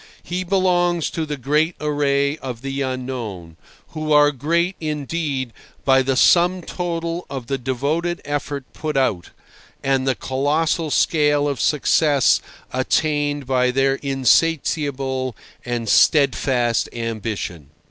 He belongs to the great array of the unknown—who are great, indeed, by the sum total of the devoted effort put out, and the colossal scale of success attained by their insatiable and steadfast ambition.